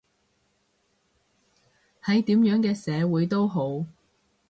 喺點樣嘅社會都好